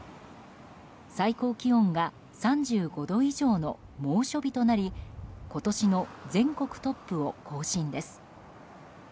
最高気温が３５度以上の猛暑日となり今年の全国トップを更新です。